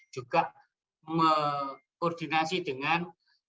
juga mengordinasi dengan